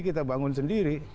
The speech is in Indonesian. kita bangun sendiri